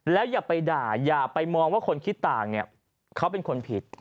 แล้วอย่าไปด่าอย่าไปมองว่าคนคิดต่างเนี่ยเขาเป็นคนผิด